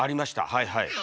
はいはい。